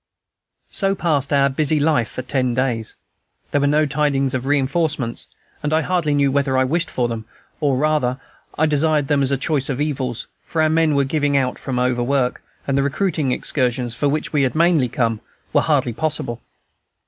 So passed our busy life for ten days. There were no tidings of reinforcements, and I hardly knew whether I wished for them, or rather, I desired them as a choice of evils; for our men were giving out from overwork, and the recruiting excursions, for which we had mainly come, were hardly possible.